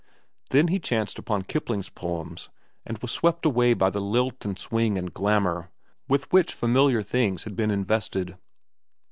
Then he chanced upon Kipling's poems, and was swept away by the lilt and swing and glamour with which familiar things had been invested.